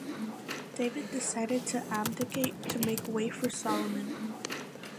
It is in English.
David decided to abdicate to make way for Solomon.